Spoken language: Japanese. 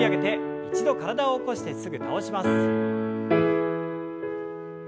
一度体を起こしてすぐ倒します。